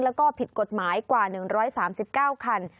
แล้วก็ผิดกฎหมายกว่า๑๓๙คัน